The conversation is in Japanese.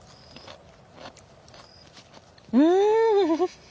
うん！